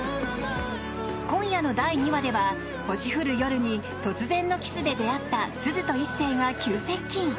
今夜の第２話では星降る夜に突然のキスで出会った鈴と一星が急接近。